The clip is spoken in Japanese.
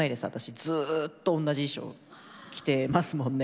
ずっと同じ衣装着てますもんね。